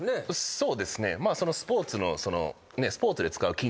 そうですね。